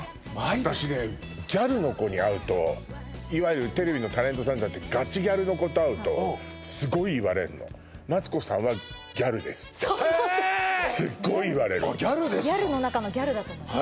私ねギャルの子に会うといわゆるテレビのタレントさんじゃなくてガチギャルの子と会うとすごい言われるの「マツコさんはギャルです」ってすっごい言われるギャルですよギャルの中のギャルだと思います